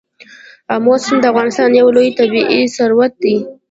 آمو سیند د افغانستان یو لوی طبعي ثروت دی.